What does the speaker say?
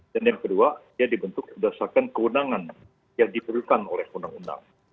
dan yang kedua dia dibentuk berdasarkan perundangan yang diperlukan oleh undang undang